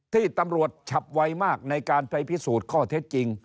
ที่ตำรวจฉับไวมากในการไปพิสูจน์ข้อเท็จจริง